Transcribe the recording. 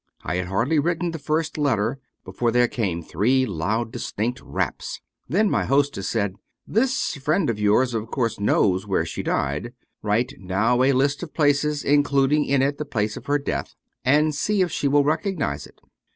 I had hardly written the first letter before there came three loud dis tinct raps. Then my hostess said, ' This friend of yours, of course, knows where she died. Write now a list of places, including in it the place of her death, and see if she will recognize it.'